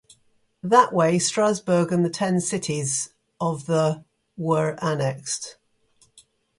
That way, Strasbourg and the ten cities of the were annexed.